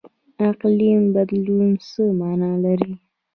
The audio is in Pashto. اقلیم بدلون څه مانا لري؟